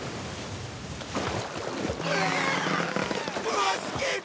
助けて！